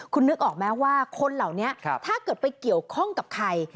คุณนึกออกไหมว่าคนเหล่านี้ถ้าเกิดไปเกี่ยวข้องกับใคร